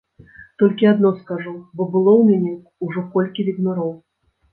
Толькі адно скажу, бо было ў мяне ўжо колькі ведзьмароў.